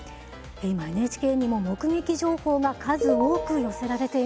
ＮＨＫにも目撃情報が数多く寄せられています。